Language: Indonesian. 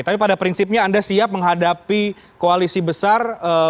tapi pada prinsipnya anda siap menghadapi koalisi besar